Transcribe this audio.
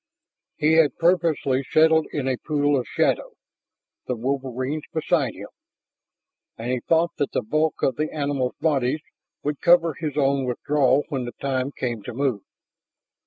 He had purposely settled in a pool of shadow, the wolverines beside him. And he thought that the bulk of the animal's bodies would cover his own withdrawal when the time came to move.